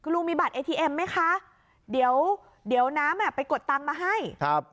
ลุงมีบัตรเอทีเอ็มไหมคะเดี๋ยวเดี๋ยวน้ำอ่ะไปกดตังค์มาให้ครับ